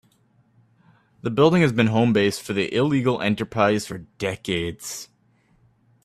The building has been the home base of the illegal enterprise for decades.